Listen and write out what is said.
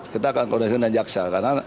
kita akan kondesin dan jaksa